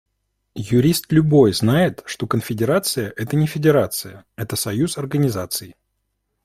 Юрист любой знает, что конфедерация – это не федерация, это союз организаций.